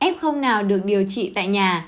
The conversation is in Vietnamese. f nào được điều trị tại nhà